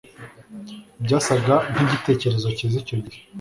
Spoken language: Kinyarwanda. byasaga nkigitekerezo cyiza icyo gihe